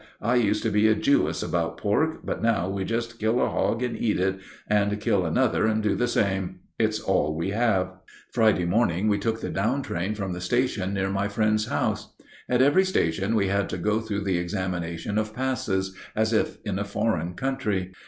I used to be a Jewess about pork, but now we just kill a hog and eat it, and kill another and do the same. It's all we have." Friday morning we took the down train for the station near my friend's house. At every station we had to go through the examination of passes, as if in a foreign country.